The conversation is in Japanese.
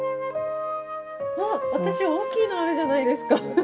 私、大きいのあるじゃないですか。